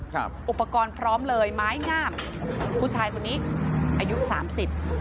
ครับอุปกรณ์พร้อมเลยไม้งามผู้ชายคนนี้อายุสามสิบ